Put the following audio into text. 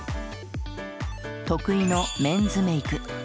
得意のメンズメイク。